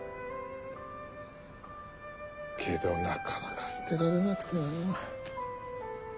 けどなかなか捨てられなくてなぁ。